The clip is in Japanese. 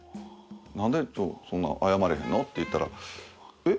なんで謝れへんの？って言ったらえっ？